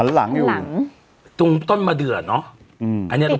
หลังตรงต้นมาเดืออะเนาะ